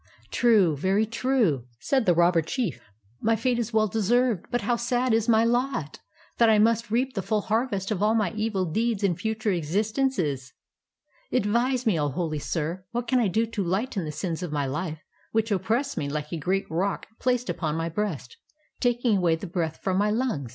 "True, very true," said the robber chief, "my fate is well deserved; but how sad is my lot, that I must reap the full hars est of all my e\'il deeds in future existences! Advdse me, O holy sir, what I can do to Hghten the sins of my life which oppress me Hke a great rock placed upon my breast, taking away the breath from my lungs."